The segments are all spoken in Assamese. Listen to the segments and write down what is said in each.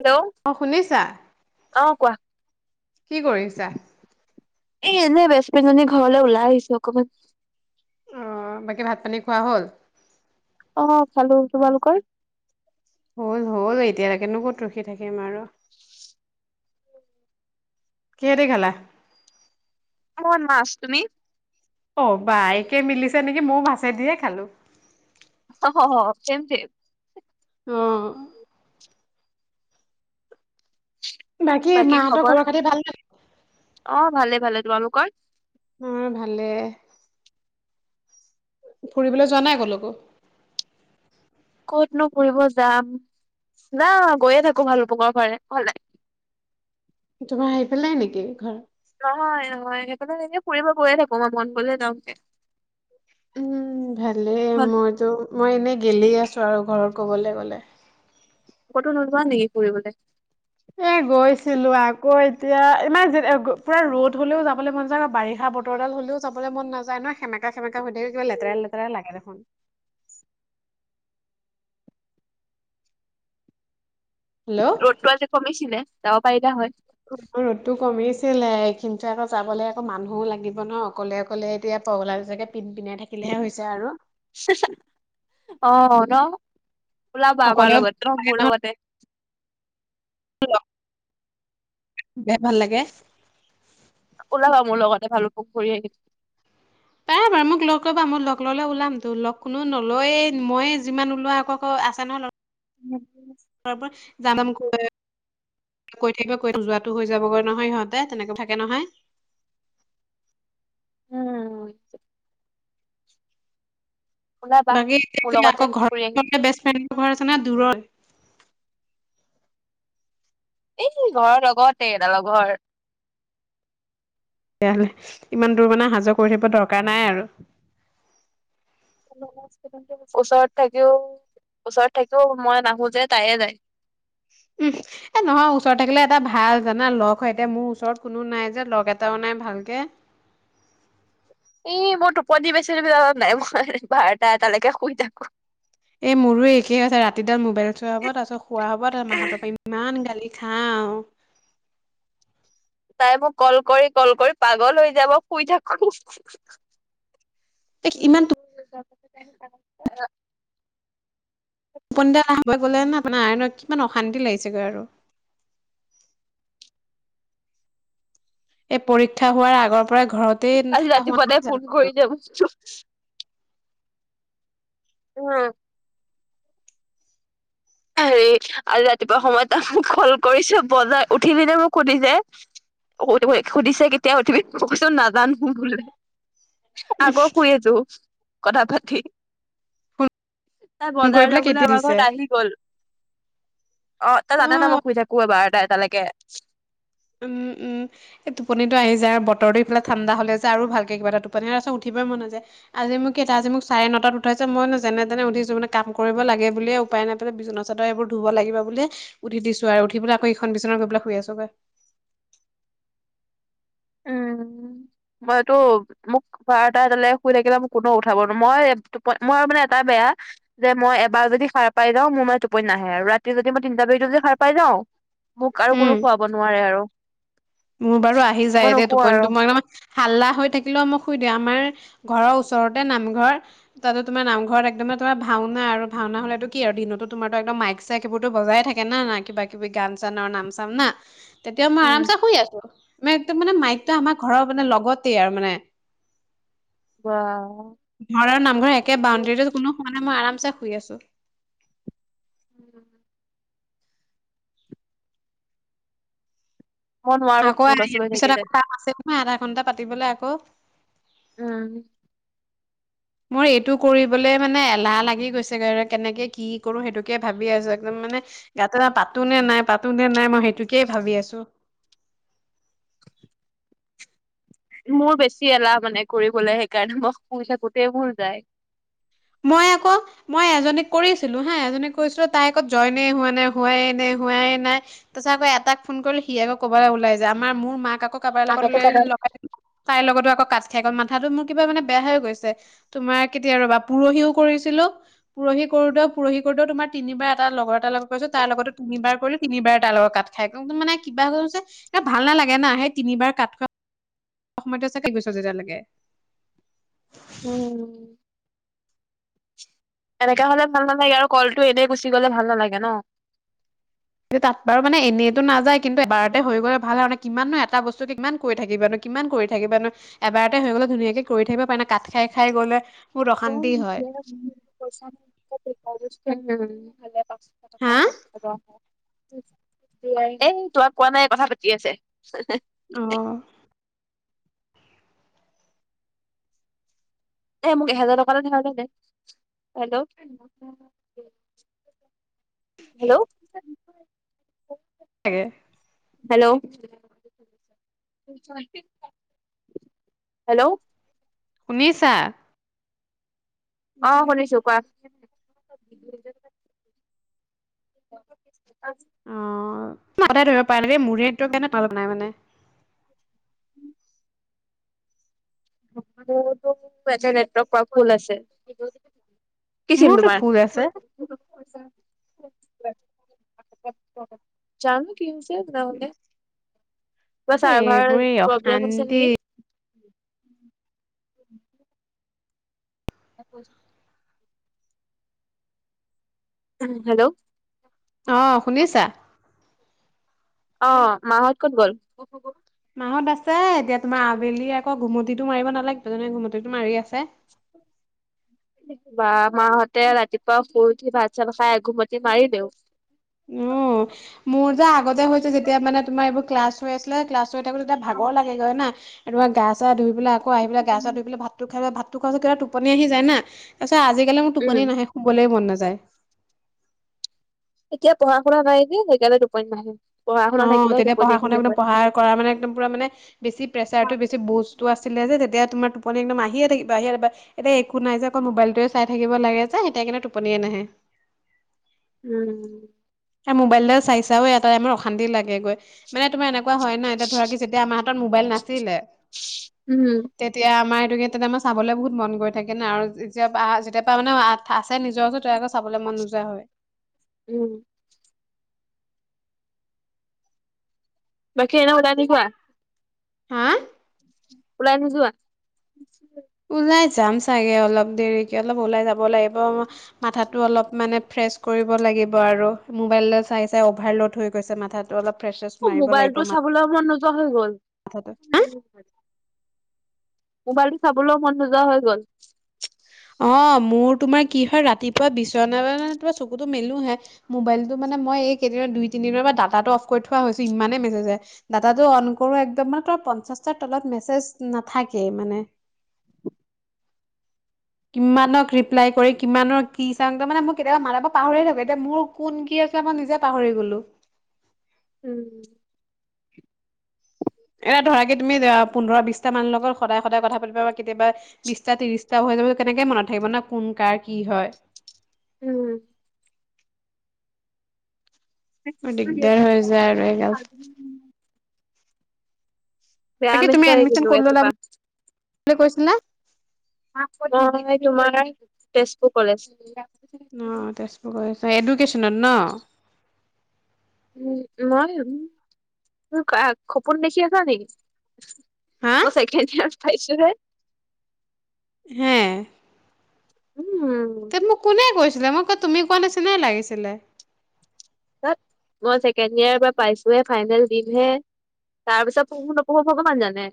হেল্ল' অ শুনিছা অ কোৱা? কি কৰিছা এ এনেই বেচফ্ৰেণ্ডজনী ঘৰলৈ ওলাই আহিছো অকমান। অ, বাকী ভাত পানী খোৱা হ'ল। অ খালো। তোমালোকৰ? হ'ল হ'ল এতিয়ালৈকেনো ক'ত ৰখি থাকিম আৰ। কিহে দি খালা? মন মাছ। তুমি? অ, বা একে মিলিছে নেকি ময়ো মাছে দিয়ে খালো। হ হ হ চেম চেম। অ। বাকী মাহঁতৰ খবৰ, খাতি ভাল নে অ ভালে ভালে। তোমালোকৰ? অ ভালে। ফুৰিবলৈ যোৱা নাই ক'লৈকো? ক'তনো ফুৰিব যাম না গৈয়ে থাকো ভালুপুকৰ ফালে ঘলে। তোমাৰ সেই ফালে নেকি ঘৰ? নহয় নহয় সেইকাৰণে এনেই ফুৰিব গৈয়ে থাকো মই মন গ'লে যাওঁ গে। উম ভালেই মইতো মই এনে গেলি আছো আৰু ঘৰত ক'বলে গ'লে। কতো নোযোৱা নেকি ফুৰিবলে? এ গৈছিলো আকৌ এতিয়া ইমান যে ক পুৰা ৰ'দ হলেও যাবলৈ মন যায় আকৌ বাৰিষা বত- বতৰডাল হলেওঁ যাবলে মন নাযায় ন সেমেকা সেমেকা হৈ থাকে কিবা লেতেৰা লতেৰা লাগে দেখোন। হেল্ল' ৰ'দতো আজি কমিছিলে যাব পাৰিলা হয়। অ ৰ'দটো কমিছিলে এইখিনো আকৌ যাবলৈ আকৌ মানুহও লাগিব ন। অকলে অকলে এতিয়া পগলা নিচিনাকে পিন পিনাই থাকিলেহে হৈছে আৰু। হা হা অ ন ওলাবা আমাৰ অকলেও লগত ন মোৰ লগতে তো'ল বিৰাট ভাল লাগে। ওলাবা মোৰ লগত এফালো ফুকন কৰি আহি প্ৰায় বাৰ মোক লগ কৰিবা মই লগ ললে ওলাম তো লগ কোনো নলয়ে মায়ে যিমান ওলোৱা আকৌ ক আছে নহয় ল ইয়াতে আছে তৰ পৰা জানমমুখলৈ যে কৈ থাকিব কৈ থা যোৱাটো হৈ যাবগৈ নহয় সিহঁতে তেনেকে থাকে নহয় উম ওলাবা বাকী মোৰ এতিয়া লগতে আকৌ ফুৰি আহিম ঘৰৰ বেছফ্ৰেণ্ডৰ ঘৰ আছে নে দূৰৰ এই ঘৰৰ লগতে এদখলৰ ঘৰৰ তেতিয়াহলে ইমান দূৰ মানে আহা যোৱা কৰি থাকিব দৰকাৰ নাই আৰু ওচৰত থাকিও ওচৰত থাকিও মই নাহো যে তাইয়ে যায় উম এ নহয় ওচৰত থাকিলে এটা ভাল জানা লগ হয় এতিয়া মোৰ ওচৰত কোনো নাই যে লগ এটাও নাই ভালকে এই মই টোপনি বেছি তুমি জানা নে নাই মই বাৰটা এটালৈকে শুই থাকো এ মোৰো একে আছে ৰাতিডাল মোবাইল চোৱা হব তাৰপাছত শুৱা হব তাৰ মাহতৰ পা ইমান গালি খাওঁ তাই মোক কল কৰি কল কৰি পাগল হৈ যাব শুই থাকো এ ইমান [unintelligible] পন্ধিয়া [unintelligible] সময় গ'লে ন আপোনাৰ আইন কিমান অশান্তি লাগিছেগৈ আৰু এই পৰীক্ষা হোৱাৰ আগৰ পৰাই ঘৰতেই আজি থকা হোৱা ৰাতিপুৱা তাই নাই জানো আৰু [unintelligible] উম হেৰি আজি ৰাতিপুৱা সময় তাত মোক কল কৰিছোঁ বজাই উঠিলে মোক সুধিছে, [unintelligible] সুধিছে কেতিয়া উঠিবি মই কৈছো নাজানো বোলো আকৌ শুই আছোঁ কথা পাতি। তাই ফোন কৰি বজাৰ পেলাই যাবলৈ কেতিয়া আমাৰ দিছে ঘৰত আহি গল। অ তাই জানে ন অ মই শুই থাকো বাৰটা এটালৈকে উম উম এই টোপনিতো আহি যায় বতৰটো ইফালে ঠাণ্ডা হলে যায় আৰু ভালকে কিবাটা টোপনি আছো উঠিবই মন নযায় আজি মোক কেইটা আজি মোক চাৰে নটাত উঠাইছে মই যেনে তেনে উঠিছো মানে কাম কৰিব লাগে বুলিয়ে উপায় নাপায় বিচনা চাদৰ এইবোৰ ধুব লাগিব বুলি উঠি দিছো আৰু উঠি পেল আকৌখন বিচনাত গৈ পেলিয় শুই আছো গৈ উম মইটো মোক বাৰটা এটালে শুই থাকিলে মোক কোনেও উঠাব নো মই মই মানে এটা বেয়া যে মই এবাৰ যদি সাৰ পাই যাওঁ মোৰ মান টোপনি নাহে আৰু ৰাতি যদি মই তিনটা বাজিতো যদি সাৰ পাই যাওঁ মোক আৰু কোনো উম। শুৱাব নোৱাৰে আৰু। মোৰ বাৰু আহি মই যায় দে নুশুও আৰু টোপটো মই হাল্লা হৈ থাকিলেও মোক শুই দিও আমাৰ ঘৰৰ ওচৰতে নামঘৰ তাতে তোমাৰ নামঘৰ একদম তোমাৰ ভাওনা আৰু ভাওনা হ'লেত কি আৰু দিনতো তোমাৰো একদম মাইক চাইক এইবোৰত বজাই থাকে না না কিবা কিবি গান চান আৰু নাম চাম না তেতিয়াও মই উম আৰাম চে শুই আছো। মে একদম মানে মাইকটো আমাৰ ঘৰৰ মানে লগতেই আৰু মানে বা ঘৰ আৰু নামঘৰ একে বাউণ্ডৰীতে কোনো শুৱা নাই মই আৰামচে শুই আছো। উম। মই নোৱাৰো আকৌ সৰু ল'ৰা ইয়াৰ ছোৱালী পিছত থাকিলে আকৌ কাম আছে নহয় আধা ঘণ্টা পাতিবলে আকৌ। উম। মোৰ এইটো কৰিবলৈ মানে এলাহ লাগি গৈছে গৈ কেনেকে কি কৰো সেইটোকে ভাবি আছো একদম মানে গাতেৰা পাতো নে নাই পাতো নে নাই মই সেইটোকেই ভাবি আছো। মোৰ বেছি এলাহ মানে কৰিবলৈ সেইকাৰণে মই শুই থাকোতেই ভুল যায়। মই আকৌ মই এজনীক কৰিছিলো হা এজনীক কৈছিলো তাই আক জইনে হোৱা নাই হোৱাই নাই হোৱাই নাই। তাৰপাছত আকৌ এটাক ফোন কৰিলো সি আকৌ ক'বাল ওলাই যায় আমাৰ মোৰ মাক আকৌ কাবাৰ লগত আগতে ওলাই তাতে তাইৰ লগতো আকৌ কাত খাই গ'ল, মাথাটো মোৰ কিবা মানে বেয়া হৈ গৈছে তোমাৰ কেতিয়া ৰবা- পৰহিও কৰিছিলো, পৰহি কৰোতেও পৰহি কৰোতেও তোমাৰ তিনিবাৰ এটা লগৰ এটা লগত- কৰিছো তাৰ লগটো তিনিবাৰ কৰিলো তিনিবাৰ লগত কাত খাই ত, মানে কিবা হৈ হৈছে ভাল নালাগে নােই তিনিবাৰ কাত খোৱা- [unintelligible] উম। এনেকা হলে ভাল নালাগে আৰু কলটো এনেই গুচি গলে ভাল নালাগে ন। যে তাত বাৰু মানে এনেইটো নাযায় কিন্তু এবাৰতে হৈ গ'লে ভাল হয় মানে কিমাননো এটা বস্তু কিমান কৈ থাকিম কিমান কৰি থাকিবা ন, এবাৰতে হৈ গলে ধুনীয়াকে কৰি থাকিব পাৰে নে কাত খাই খাই গলে- বহুত অশান্তি হয় [unintelligible] [unintelligible] এ তোমাক কোৱা নাই কথা পাতি আছে। অঁ। এ মোক এহেজাৰ টকা এটা ধাৰলে দে, হেল্ল। হেল্ল'। থাকে। হেল্ল'। হেল্ল'। শুনিছা? অঁ শুনিছো কোৱা। [unintelligible] অ আগতে ধৰিব পাৰিলে মৰেটো কাৰণে তলত নাই মানে। মোৰটো নেটৱৰ্ক পোৰা ফুল আছে। কি ছিম মোৰতো তোমাৰ? ফুল আছে জানো কি হৈছে তেনেহলে। কিবা চাৰভাৰ এইবোৰে প্ৰব্লেম হৈছে অশান্তি নেকি? [unintelligible] উম হেল্ল'। অঁ শুনিছা? অঁ মাহঁত ক'ত গ'ল? মাহঁত আছে এতিয়া তোমাৰ আবেলি আকৌ ঘুমটিটো মাৰিব নালাগিব জানো, ঘুমটিটো মাৰি আছে। বা মাহঁতে ৰাতিপুৱা শুই উঠি ভাত চাত খাই এঘোমতি মাৰিলেও। অঁ, মোৰ যে আগতে হৈছে যেতিয়া মানে তোমাৰ এইবোৰ ক্লাছ- হৈ আছিলে, ক্লাছ হৈ থাকো তে তেতিয়া ভাগৰ লাগেগৈ না। আৰু গা চা ধুই পেলাই আকৌ আহি পেলাই গা চা ধুই পেলাই ভাতটো খাই ভাতটো খোৱা পিছত কিবা টোপনি আহি যায় না। তাৰপিছত আজিকালি মোৰ টোপনি উম নাহে শুবলেই মন নাযায়। এতিয়া পঢ়া শুনা নাই নে সেইকাৰণে টোপনি নাহে। পঢ়া শুনা অঁ থাকিলে তেতিয়া টোপনি পঢ়া শুনা আহিলে এক হয় পঢ়া কৰাৰ মানে একদম পুৰা মানে বেছি প্ৰেচাৰটো বেছি বুজ- টো আছিলে যেতিয়া তোমাৰ টোপনি একদম আহিয়ে থাকিব আহিয়েই থাকিব। এতিয়া একো নাই যে অকল মোবাইলটোৱে চাই থাকিব লাগে যে, এতিয়া কিনে টোপনিয়ে নাহে। উম মোবাইলদাল চাই চাইও এটা টাইমত অশান্তি লাগে গৈ। মানে তোমাৰ এনেকুৱা হয় নাই এতিয়া ধৰা- তেতিয়া আমাৰ হাতত মোবাইল নাছিলে উম তেতিয়া আমাৰ এইটো তেতিয়া আমাৰ চাবলৈ বহুত মন গ থাকে না, আৰু যেতিয়া যেতিয়া পৰা মানে- আছে নিজৰ ওচৰত তই আকৌ চাবলৈ মন নোযোৱা হল। উম বাকী এনে ওলাই নোযোৱা? হা ওলাই নোযোৱা? [unintelligible] ওলাই যাম চাগে অলপ দেৰিকে অলপ ওলাই যাব লাগিব মাথাত টো অলপ মানে ফ্ৰেছ কৰিব লাগিব আৰু, মোবাইললৈ চাই চাই অভাৰলোড হৈ গৈছে মাথাটো অলপ। ফ্ৰেছ্ৰেছ অঁ মাৰিব মোবাইল লাগিব টো চাবলৈ মন নোযোৱা হৈ গল। মাথাটো মোবাইলটো চাবলৈও মন নোযোৱা হৈ গ'ল। অ মোৰ তোমাৰ কি হয় ৰাতিপুৱা বিচনা পৰা তোমাৰ চকুতো মেলোহে। মোবাইলতটো মানে মই এই কেইদিনত দুই তিনিদিনৰ পৰা ডাটাতটো অফ কৰি থোৱা হৈছো, ইমানে মেছেজ আহে। দাতাটো অন কৰো একদম মানে তোমাৰ পঞ্চাশটাৰ তলত মেছেজ নাথাকেই মানে। কিমানক ৰিপ্লাই কৰি কিমানৰ কি চাং তা মানে মই কেতিয়াবা মানে পাহৰিয়েই থাকো এতিয়া মোৰ কোন কি আছে মই নিজে পাহৰি গ'লোঁ। উম। এটা ধৰা কি তুমি পোন্ধৰ বিশটা মানৰ লগত সদায় সদায় কথা পাতিবা। কেতিয়াবা বিশটা ত্ৰিশটাও হৈ যাব কেনেকে মনত থাকিব না কোন কাৰ কি হয়। দিগদাৰ হৈ যায় আৰু এই গাল তাকে তুমি এডমিছন কৰি ললা বুলি কৈছিল না? মই তোমাৰ তেজপুৰ কলেজ। অ তেজপুৰ কলেজ এডুকেশ্যনত ন? উম মই কা খপোন দেখি আছা নেকি? হা মই ছেকেণ্ড ইয়েৰ পাইছো হে। হে। উম উম। তে মোক কোনে কৈছিলে মই ক তুমি কোৱা নিচিনাই লাগিছিলে। [unintelligible] মই ছেকেণ্ড ইয়াৰ পৰা পাইছোহে ফাইনেল দিম হে। তাৰ পিছত পঢ়ো নপঢ়ো ভগৱান জানে।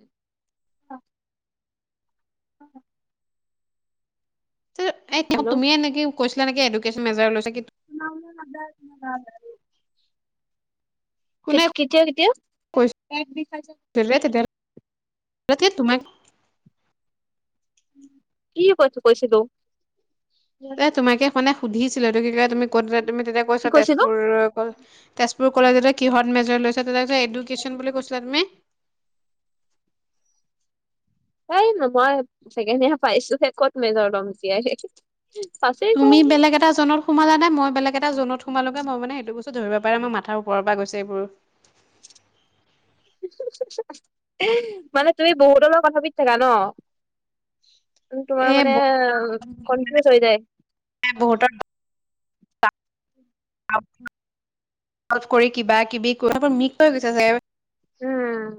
এতিয়া হেল্ল' তুমি নেকি কৈছিলা নেকি এডুকেশ্যন মেজৰ লৈছোঁ কি। [unintelligible] কোনে কেত কেতিয়া কেতিয়া [unintelligible] দেলে তেতিয়া হ'লে, তাকে তোমাক কি কথ কৈছিলো? এ তোমাকে সনাই সুধিছিলোটো কি কয় তুমি ক'ত তুমি তেতিয়া কি কৈছা কৈছিলো তেজপুৰ তেজপুৰ কলেজতে কিহঁত মেজৰ লৈছা ত এডুকেশ্যন বুলি কৈছিলা তুমি। এই নহয়। ছেকেণ্ড ইয়েৰৰ পাইছো হে ক'ত মেজৰ ল'ম এতিয়াই। [unintelligible] তুমি বেলেগ এটা জনৰ সোমালে নে মই বেলেগ এটা জোনত সোমালোগে। মই মানে সেইটো বস্তু ধৰিব পাৰে মই মাথা ওপৰ পৰা গৈছে এইবোৰ। মানে তুমি বহুত লগত কথাপাতি থাকা ন? তোমাৰ এ মানে কনফিউজ হৈ যায়। এ বহুতৰ [unintelligible] কৰি কিবা কিবি [unintelligible] মিক হৈ গৈছে চাগে। উম।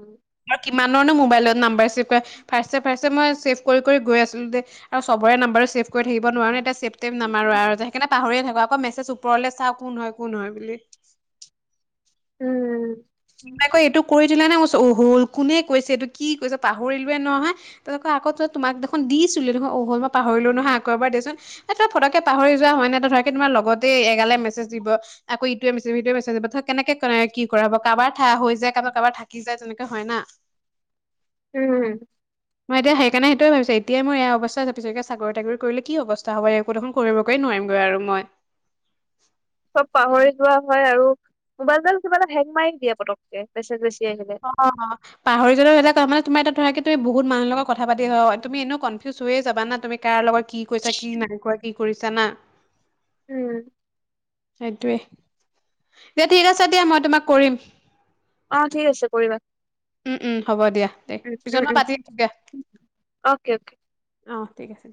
কিমানৰনো মোৱাইলত নাম্বাৰ ছেভ হয় ফাৰ্ষ্টে ফাৰ্ষ্টে মই ছেভ কৰি কৰি গৈ আছিলো দে আৰু চবৰে নাম্বাৰ ছেভ কৰি থাকিব নোৱাৰ এতিয়া ছেভ টেব নাম্বাৰ আৰু সেইকাৰে পাহৰি থাকো আকৌ মেচেজো ওপৰলৈ চাও কোন হয় কোন হয় বুলি। উম। তাই ক এইটো কৰি দিলা নাই মই অহল কোনে কৈছে এইটো কি কৈছে পাহৰিলোৱে নহয়। তেনেকা আকৌ তোমাক দেখোন দিছিলোঁ দেখোন অওল মই পাহৰিলো নহয় আকৌ এবাৰ দেচোন। এ তই ফটকে পাহৰি যোৱা হয় ন তাতকে তোমাৰ লগতেই এগালে মেছেজ দিব। আকৌ ইটোৱে মেছেজ সিটোৱে মেছেজ দিব থেত কেনেকে কোনে কি কৰে বা কাৰোবাৰ ঠাই হৈ যায় কাৰোবাৰ কাৰোবাৰ থাকি যায় তেনেকে হয় না। উম। মই এতিয়া সেইকাৰণে সেইটোৱে ভাবিছোঁ এতিয়া মই এইয়া অৱস্থা পিছতকে চাকৰি তাকৰি কৰিলে কি অৱস্থা হ'ব একোবোৰ দেখোন কৰিবকৈ নোৱাৰিম গৈ আৰু মই। চব পাহৰি যোৱা হয় আৰু মোৱাইল ডাল কিবা এটা হেং মাৰি দিয়া পতকে মেচেজ বেছি আহিলে। অ হ। পাহৰি যদি বেলেগ কথা মানে তোমাৰ এটা ধৰা কি তুমি বহুত মানুহ লগত কথাপাতি হয় তুমি এনেও কনফিউজ হৈয়ে যাবা ন। তুমি কাৰ লগত কি কৈছা কি নাই কৰা কি কৰিছা না। উম। সেইটোৱে দিয়া ঠিক আছে দিয়া মই তোমাক কৰিম। অ ঠিক আছে কৰিবা। উম উম হ'ব দিয়া দে উম পিছত উম মই উম পাতি দিয়া। অকে অকে অ ঠিক আছে